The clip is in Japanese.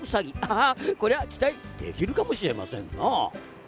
はは、これは期待できるかもしれませんな。